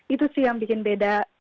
itu sih yang bikin beda